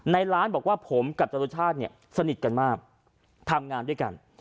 ในร้านบอกว่าผมกับจรุชาติเนี่ยสนิทกันมากทำงานด้วยกัน